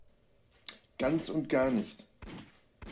Ganz und gar nicht!